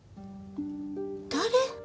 誰？